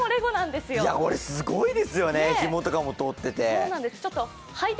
すごいですよね、ひもとかも通ってて。